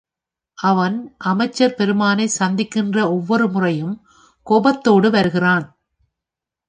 அவன் அமைச்சர் பெருமானைச் சந்திக்கிற ஒவ்வொரு முறையும் கோபத்தோடு வருகிறான்.